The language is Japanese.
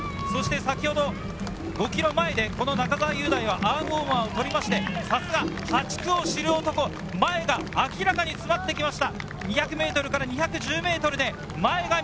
先ほど５ｋｍ前で中澤雄大はアームウォーマーを取って、さすが８区を知る男、前が明らかに詰まってきました。